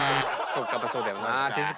やっぱそうだよな。